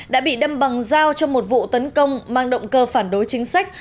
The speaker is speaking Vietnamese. đã bị đâm bằng dao trong một vụ tấn công mang động cơ phản đối chính sách